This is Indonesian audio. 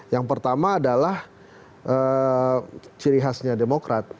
yang pertama adalah ciri khasnya demokrat